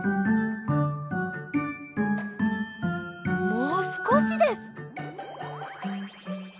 もうすこしです！